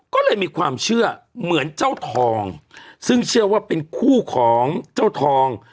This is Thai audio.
ก็เลยมีความเชื่อเหมือนเจ้าทองซึ่งเชื่อว่าเป็นคู่ของเจ้าทอง